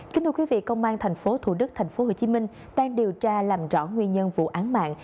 kính thưa quý vị công an tp thủ đức tp hồ chí minh đang điều tra làm rõ nguyên nhân vụ án mạng